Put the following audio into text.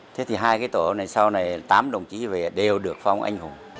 thế thì hai cái tổ này sau này tám đồng chí về đều được phong anh hùng